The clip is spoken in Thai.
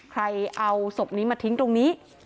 ใครเอาศพนี้มาทิ้งตรงนี้